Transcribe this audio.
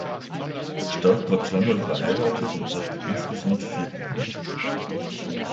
Stark war zweimal verheiratet und hatte insgesamt vier Kinder.